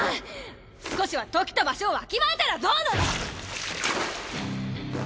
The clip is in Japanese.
少しは時と場所をわきまえたらどうな。